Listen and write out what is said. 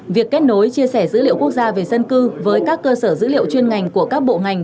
việc kết nối chia sẻ dữ liệu quốc gia về dân cư với các cơ sở dữ liệu chuyên ngành của các bộ ngành